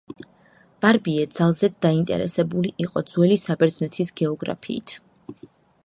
ბარბიე ძალზედ დაინტერესებული იყო ძველი საბერძნეთის გეოგრაფიით.